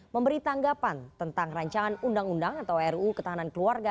memberi tanggapan tentang rancangan undang undang atau ruu ketahanan keluarga